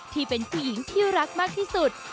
ที่เป็นผู้หญิงที่รักมากที่สุด